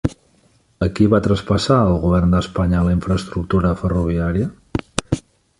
A qui va traspassar el Govern d'Espanya la infraestructura ferroviària?